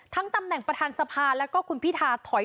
ทั้งตำแหน่งประธานภาพแล้วก็คุณพิธารักษ์